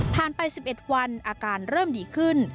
ไป๑๑วันอาการเริ่มดีขึ้น